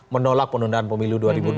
menolak penundaan pemilu dua ribu dua puluh